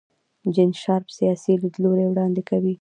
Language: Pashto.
جین شارپ سیاسي لیدلوری وړاندې کوي.